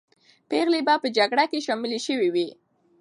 پېغلې به په جګړه کې شاملې سوې وې.